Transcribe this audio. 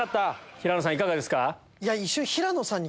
平野さんいかがですか？